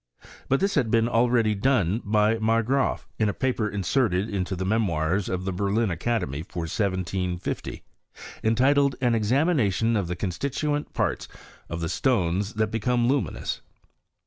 But this had been already done by Margraaf, in a paper inserted into the Memoirs of the Berlin Academy, for 1750, entitled " An Examination of the constituent parts of the Stones that become luminous."